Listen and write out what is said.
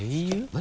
何？